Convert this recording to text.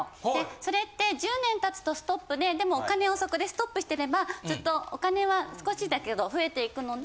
それって１０年経つとストップででもお金をそこでストップしてればずっとお金は少しだけど増えていくので。